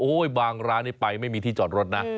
บางร้านนี้ไปไม่มีที่จอดรถนะ